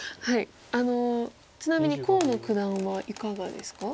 あのちなみに河野九段はいかがですか？